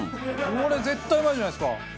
これ絶対うまいじゃないですかこんなの。